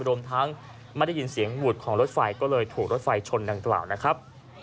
รวมทั้งไม่ได้ยินเสียงหวุดของรถไฟก็เลยถูกรถไฟชนดังกล่าวนะครับ